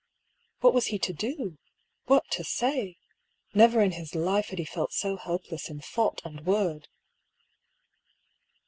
What was he to do? What to say? Never in his life had he felt so helpless in thought and word.